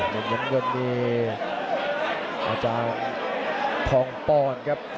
มันยังมีอาจารย์ทองปอนครับ